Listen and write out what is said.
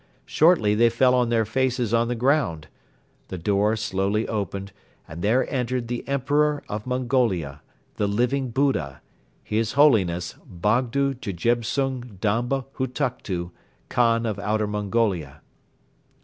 Shortly they fell on their faces on the ground. The door slowly opened and there entered the Emperor of Mongolia, the Living Buddha, His Holiness Bogdo Djebtsung Damba Hutuktu, Khan of Outer Mongolia.